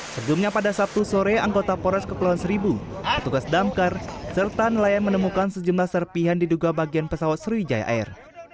sebelumnya pada sabtu sore anggota pores kepulauan seribu petugas damkar serta nelayan menemukan sejumlah serpihan diduga bagian pesawat sriwijaya air